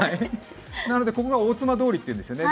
なのでここが大妻通りというんですね。